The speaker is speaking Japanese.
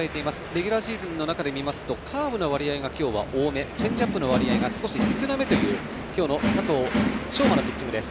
レギュラーシーズンの中で見ますと、カーブの割合が今日は多く、チェンジアップが少し少なめという今日の佐藤奨真のピッチングです。